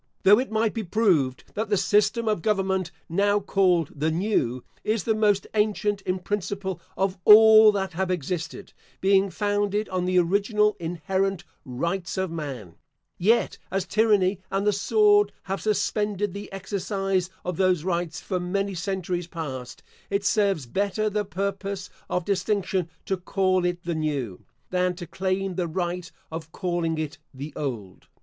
Though it might be proved that the system of government now called the New, is the most ancient in principle of all that have existed, being founded on the original, inherent Rights of Man: yet, as tyranny and the sword have suspended the exercise of those rights for many centuries past, it serves better the purpose of distinction to call it the new, than to claim the right of calling it the old.